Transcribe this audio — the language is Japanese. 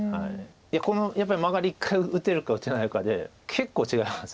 このやっぱりマガリ一回打てるか打てないかで結構違います